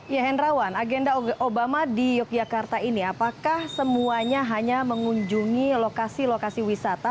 ya henrawan agenda obama di yogyakarta ini apakah semuanya hanya mengunjungi lokasi lokasi wisata